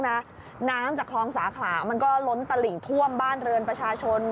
น้ำจากคลองสาขลามันก็ล้นตลิ่งท่วมบ้านเรือนประชาชน